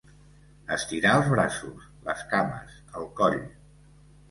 Estirar els braços, les cames, el coll.